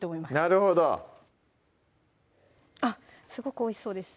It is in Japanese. なるほどすごくおいしそうです